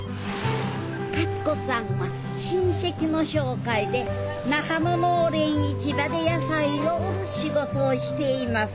勝子さんは親せきの紹介で那覇の農連市場で野菜を売る仕事をしています。